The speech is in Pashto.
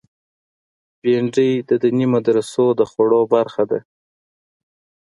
بېنډۍ د دیني مدرسو د خواړو برخه ده